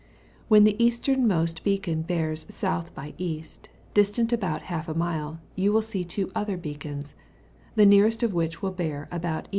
When the easternmost beacon bears S. by E., distant about half a mile, you will see two other beacons, the nearest of which will bear about E.